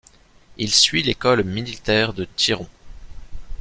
Il suit l'école militaire de Tyron.